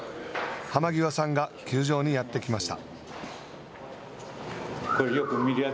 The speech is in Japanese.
濱涯さんが球場にやってきました。